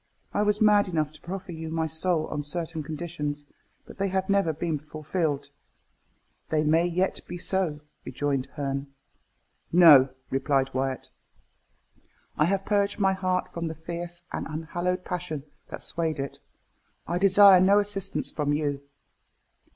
"I was mad enough to proffer you my soul on certain conditions; but they have never been fulfilled." "They may yet be so," rejoined Herne. "No," replied Wyat, "I have purged my heart from the fierce and unhallowed passion that swayed it. I desire no assistance from you."